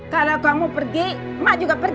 karena kamu pergi mak juga pergi